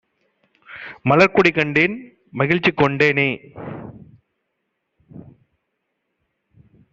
மலர்க்கொடி கண்டேன் மகிழ்ச்சிகொண் டேனே!